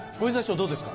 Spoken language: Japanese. どうですか？